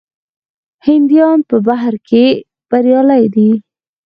هندیان په بهر کې بریالي دي.